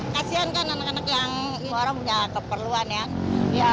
kasian kan anak anak yang orang punya keperluan ya